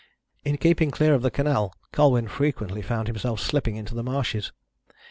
In keeping clear of the canal Colwyn frequently found himself slipping into the marshes.